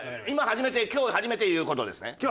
今初めて今日初めて言う事ですね？